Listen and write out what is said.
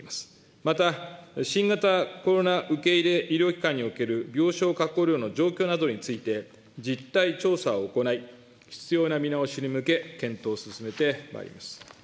また新型コロナ受け入れ医療機関における病床確保料の状況などについて実態調査を行い、必要な見直しに向け、検討を進めてまいります。